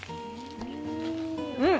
うん！